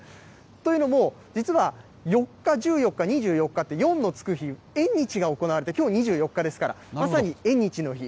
というのも、実は４日、１４日、２４日って、４の付く日、縁日が行われて、きょう２４日ですから、まさに縁日の日。